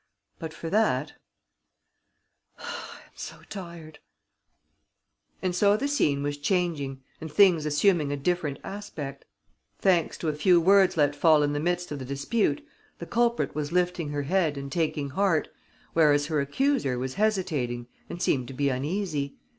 But for that ... I am so tired ...!" And so the scene was changing and things assuming a different aspect. Thanks to a few words let fall in the midst of the dispute, the culprit was lifting her head and taking heart, whereas her accuser was hesitating and seemed to be uneasy.